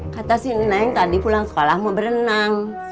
kata si neng tadi pulang sekolah mau berenang